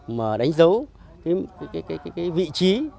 mà đánh dấu cái vị trí